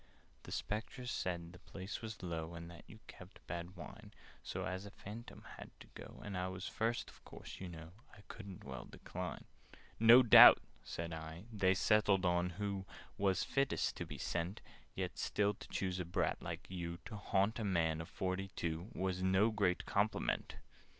"The Spectres said the place was low, And that you kept bad wine: So, as a Phantom had to go, And I was first, of course, you know, I couldn't well decline." "No doubt," said I, "they settled who Was fittest to be sent Yet still to choose a brat like you, To haunt a man of forty two, Was no great compliment!"